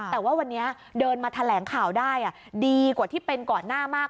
แต่ว่าวันนี้เดินมาแถลงข่าวได้ดีกว่าที่เป็นก่อนหน้ามาก